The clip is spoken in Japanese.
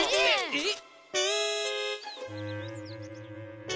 えっ？